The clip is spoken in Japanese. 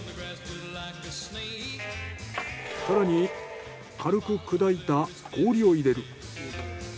更に軽く砕いた氷を入れる。